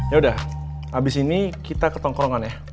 yaudah abis ini kita ketongkrongan ya